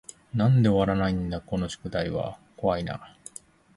なんで終わらないだこの宿題は怖い y な